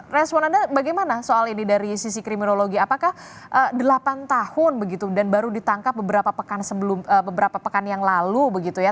respon anda bagaimana soal ini dari sisi kriminologi apakah delapan tahun begitu dan baru ditangkap beberapa pekan yang lalu begitu ya